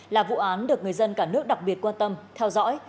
là vụ án được người dân cả nước đặc biệt quan tâm theo dõi